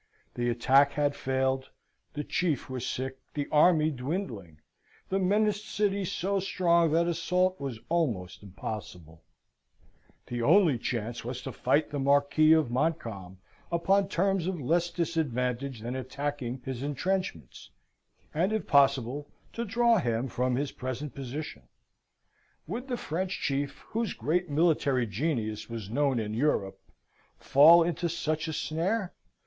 The attack had failed, the chief was sick, the army dwindling, the menaced city so strong that assault was almost impossible; "the only chance was to fight the Marquis of Montcalm upon terms of less disadvantage than attacking his entrenchments, and, if possible, to draw him from his present position." Would the French chief, whose great military genius was known in Europe, fall into such a snare?